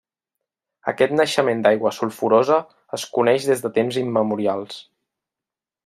Aquest naixement d'aigua sulfurosa es coneix des de temps immemorials.